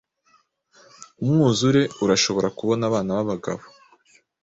Umwuzure urashobora kubona abana babagabo